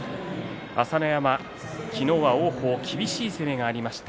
朝乃山、昨日は王鵬、厳しい攻めがありました。